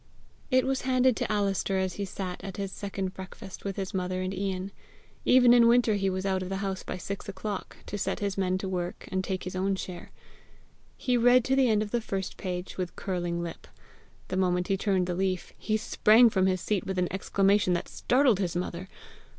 It was handed to Alister as he sat at his second breakfast with his mother and Ian: even in winter he was out of the house by six o'clock, to set his men to work, and take his own share. He read to the end of the first page with curling lip; the moment he turned the leaf, he sprang from his seat with an exclamation that startled his mother.